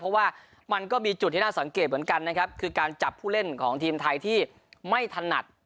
เพราะว่ามันก็มีจุดที่น่าสังเกตเหมือนกันนะครับคือการจับผู้เล่นของทีมไทยที่ไม่ถนัด